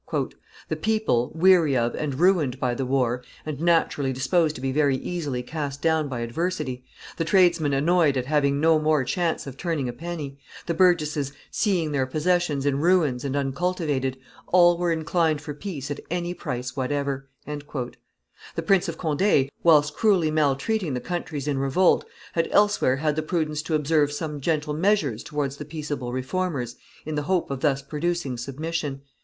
"The people, weary of and ruined by the war, and naturally disposed to be very easily cast down by adversity; the tradesmen annoyed at having no more chance of turning a penny; the burgesses seeing their possessions in ruins and uncultivated; all were inclined for peace at any price whatever." The Prince of Conde, whilst cruelly maltreating the countries in revolt, had elsewhere had the prudence to observe some gentle measures towards the peaceable Reformers in the hope of thus producing submission.